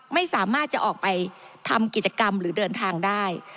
ไม่สามารถจะออกไปทำกิจกรรมหรือเดินทางได้